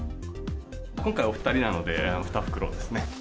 今回、お２人なので２袋です